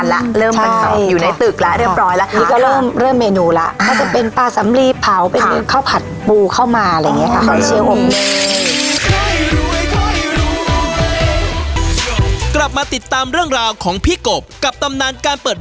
แล้วตอนที่มาเป็นสามสิบโต๊ะเมนูยังสี่อันเหมือนเดิม